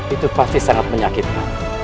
itu pasti sangat menyakitkan